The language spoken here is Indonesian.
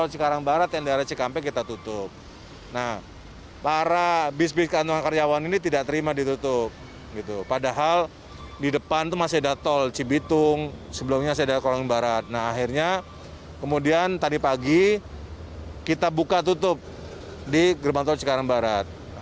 jadi kita buka tutup di gerbang tol cikarang barat